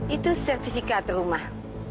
itu sertifikat rumah